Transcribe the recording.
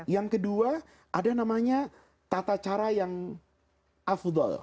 yang kedua ada namanya tata cara yang afdol